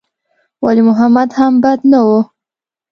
ولي محمد هم بد نه و.